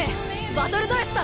バトルドレスだ！